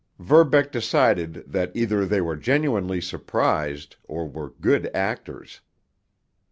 Verbeck decided that either they were genuinely surprised, or were good actors.